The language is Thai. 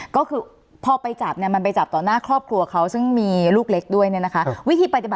ก็คือพอไปจับเนี่ยมันไปจับต่อหน้าครอบครัวเขาซึ่งมีลูกเล็กด้วยเนี่ยนะคะ